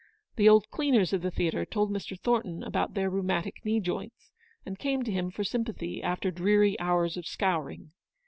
The old cleaners of the theatre told Mr. Thornton about their rheumatic knee joints, and came to him for sympathy after dreary hours of scouring.